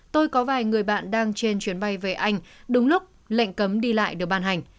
tôi có vài người bạn đang trên chuyến bay về anh đúng lúc lệnh cấm đi lại được ban hành